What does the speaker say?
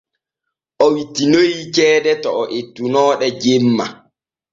O wittinoyii ceede to ettunoo ɗe jemma.